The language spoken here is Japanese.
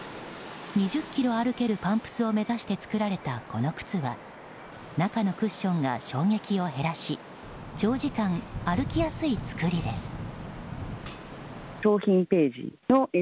２０ｋｍ歩けるパンプスを目指して作られたこの靴は中のクッションが衝撃を減らし長時間歩きやすい作りです。